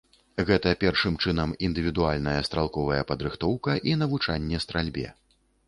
Гэта, першым чынам, індывідуальная стралковая падрыхтоўка і навучанне стральбе.